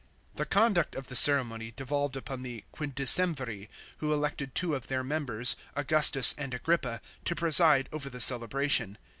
The conduct of the ceremony devolved upon the Quin decimviri, who elected two of their members, Augustus and Agrippa, to preside over the celebration.